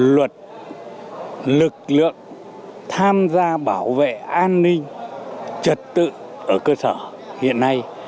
luật lực lượng tham gia bảo vệ an ninh trật tự ở cơ sở hiện nay